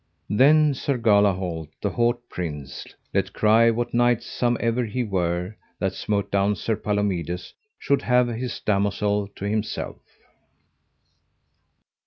Then Sir Galahalt, the haut prince, let cry what knight somever he were that smote down Sir Palomides should have his damosel to himself.